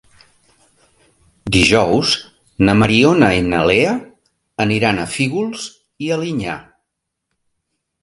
Dijous na Mariona i na Lea aniran a Fígols i Alinyà.